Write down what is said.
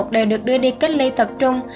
đều được đưa đi cách ly tập trung